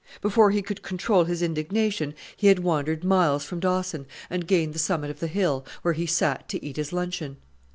Before he could control his indignation he had wandered miles from Dawson, and gained the summit of the hill, where he sat to eat his luncheon.